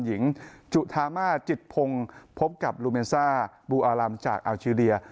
หญิงจุธามาจิตพงศ์พบกับลูเมนซ่าบูอาลัมจากอัลเจีย